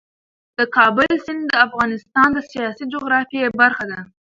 د کابل سیند د افغانستان د سیاسي جغرافیې برخه ده.